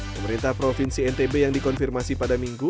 pemerintah provinsi ntb yang dikonfirmasi pada minggu